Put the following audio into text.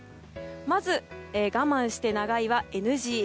まず我慢して長居はＮＧ。